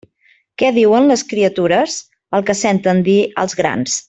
Què diuen les criatures? El que senten dir als grans.